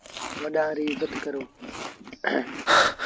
وڏآن ريٚ ازت ڪرو۔